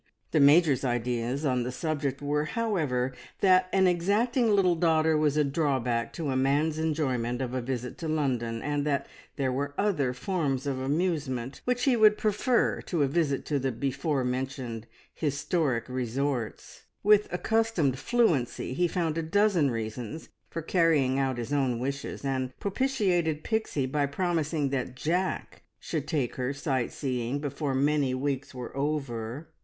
The Major's ideas on the subject were, however, that an exacting little daughter was a drawback to a man's enjoyment of a visit to London, and that there were other forms of amusement which he would prefer to a visit to the before mentioned historic resorts. With accustomed fluency, he found a dozen reasons for carrying out his own wishes, and propitiated Pixie by promising that Jack should take her sight seeing before many weeks were over.